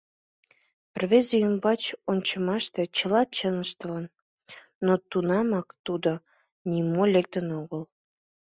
Рвезе ӱмбач ончымаште чыла чын ыштылын, но тунамак тудын нимо лектын огыл.